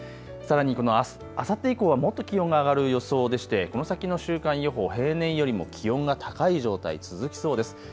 さらにあさって以降はもっと気温が上がる予想でして、この先の週間予報、平年よりも気温が高い状態、続きそうです。